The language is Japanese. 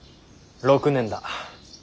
６年だ。